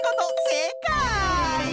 せいかい！